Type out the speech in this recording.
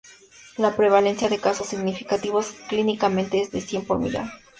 La prevalencia de casos significativos clínicamente es de cien por millón.